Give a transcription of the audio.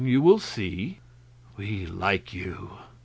You will see." "We like you."